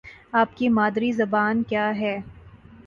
آپ کی مادری زبان کیا ہے؟